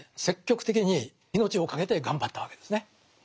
積極的に命をかけて頑張ったわけですね。